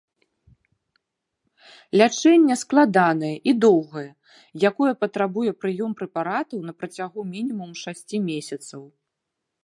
Лячэнне складанае і доўгае, якое патрабуе прыём прэпаратаў на працягу мінімум шасці месяцаў.